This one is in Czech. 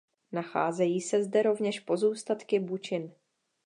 Nacházejí se zde rovněž pozůstatky bučin.